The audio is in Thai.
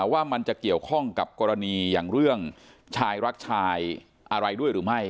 ว่ามันจะเกี่ยวข้องกับกรณีอย่างเรื่องชายรักชายอะไรด้วยหรือไม่